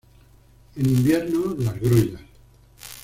En invierno las grullas.